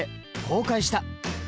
公開した！